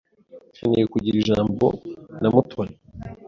Nkeneye kugira ijambo na Mutoni.